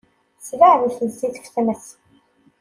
Sbeɛdet zzit ɣef tmes.